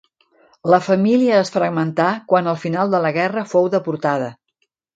La família es fragmentà quan al final de la guerra fou deportada.